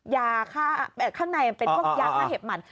ยาข้างในเป็นพวกยากห้าเห็บมัน